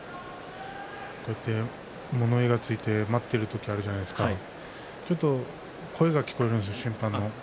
こうやって物言いがついて待っている時があるじゃないですかちょっと声が聞こえるんですよ